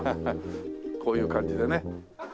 こういう感じでね。